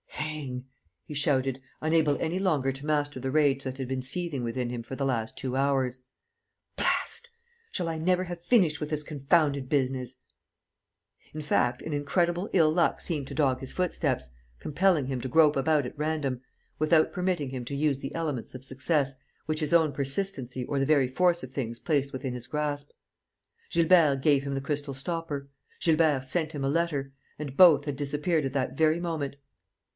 "Hang!" he shouted, unable any longer to master the rage that had been seething within him for the last two hours. "Blast! Shall I never have finished with this confounded business?" In fact, an incredible ill luck seemed to dog his footsteps, compelling him to grope about at random, without permitting him to use the elements of success which his own persistency or the very force of things placed within his grasp. Gilbert gave him the crystal stopper. Gilbert sent him a letter. And both had disappeared at that very moment.